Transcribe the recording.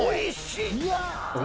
いや！